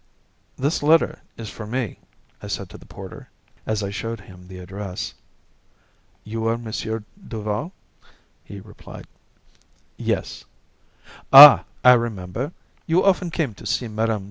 "This letter is for me," I said to the porter, as I showed him the address. "You are M. Duval?" he replied. "Yes. "Ah! I remember. You often came to see Mme.